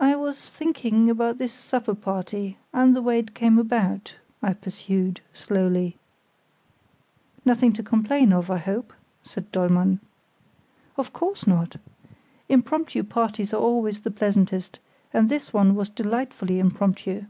"I was thinking about this supper party, and the way it came about," I pursued, slowly. "Nothing to complain of, I hope?" said Dollmann. "Of course not! Impromptu parties are always the pleasantest, and this one was delightfully impromptu.